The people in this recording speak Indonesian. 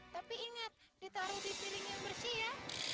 tapi ingat ditaruh di piring yang bersih ya